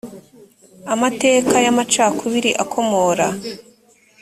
amateka y amacakubiri akomora